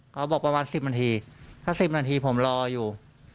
เขาบอกประมาณ๑๐นาทีถ้า๑๐นาทีผมรออยู่